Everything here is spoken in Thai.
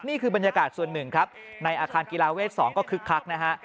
นี่คือบรรยากาศส่วนหนึ่งครับในอาคารกีฬาเวท๒ก็คึกคักนะฮะ